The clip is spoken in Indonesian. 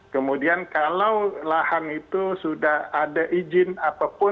kemudian kalau lahan itu sudah ada izin apapun